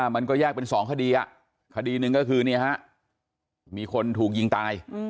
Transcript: มันเป็น๒คดีอ่ะคดีหนึ่งก็คือเนี่ยฮะมีคนถูกยิงตาย